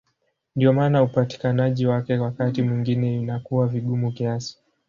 Ndiyo maana upatikanaji wake wakati mwingine inakuwa vigumu kiasi.